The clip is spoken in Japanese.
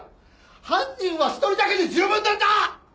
犯人は１人だけで十分なんだ！